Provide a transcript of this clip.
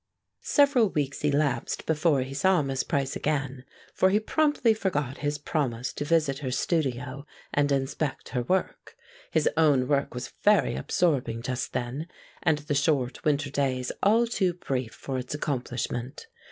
Several weeks elapsed before he saw Miss Price again, for he promptly forgot his promise to visit her studio and inspect her work. His own work was very absorbing just then, and the short winter days all too brief for its accomplishment.